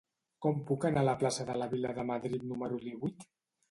Com puc anar a la plaça de la Vila de Madrid número divuit?